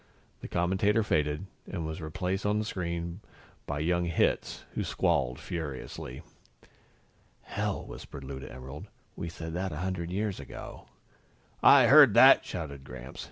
The commentator faded, and was replaced on the screen by young Hitz, who squalled furiously. "Hell!" whispered Lou to Emerald. "We said that a hundred years ago." "I heard that!" shouted Gramps.